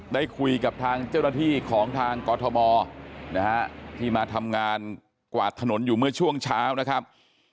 ได้คุยกับทางเจ้าหน้าที่ของทางกอทมนะฮะที่มาทำงานกวาดถนนอยู่เมื่อช่วงเช้านะครับ